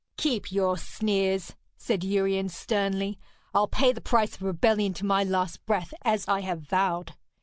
'Keep your sneers,' said Uriens sternly. 'I'll pay the price of rebellion to my last breath, as I have vowed.'